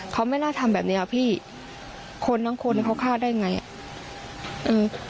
เขาไม่น่าทำแบบเนี้ยพี่คนทั้งคนเขาฆ่าได้ไงอ่ะเออ